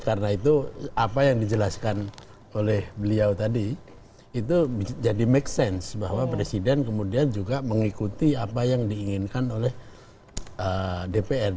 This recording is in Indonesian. karena itu apa yang dijelaskan oleh beliau tadi itu jadi make sense bahwa presiden kemudian juga mengikuti apa yang diinginkan oleh dpr